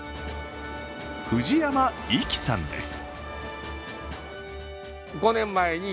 藤山粋さんです。